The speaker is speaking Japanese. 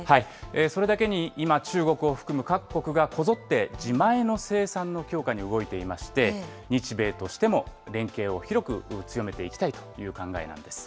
それだけに今、中国を含む各国がこぞって自前の生産の強化に動いていまして、日米としても連携を広く強めていきたいという考えなんです。